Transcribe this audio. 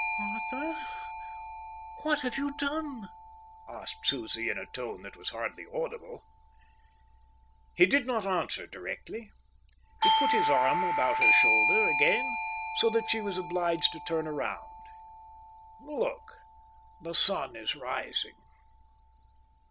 "Arthur, what have you done?" asked Susie, in a tone that was hardly audible. He did not answer directly. He put his arm about her shoulder again, so that she was obliged to turn round. "Look, the sun is rising."